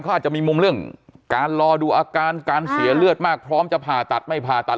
เขาอาจจะมีมุมเรื่องการรอดูอาการการเสียเลือดมากพร้อมจะผ่าตัดไม่ผ่าตัด